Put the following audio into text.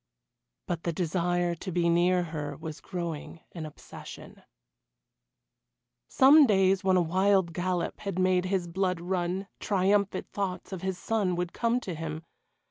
But the desire to be near her was growing an obsession. Some days when a wild gallop had made his blood run, triumphant thoughts of his son would come to him.